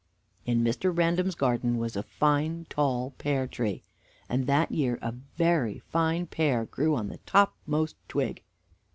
In Mr. Random's garden was a fine tall pear tree, and that year a very fine pear grew on the topmost twig.